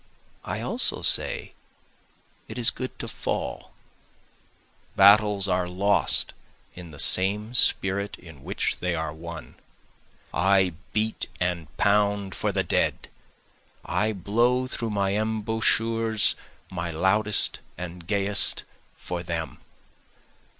I also say it is good to fall, battles are lost in the same spirit in which they are won. I beat and pound for the dead, I blow through my embouchures my loudest and gayest for them.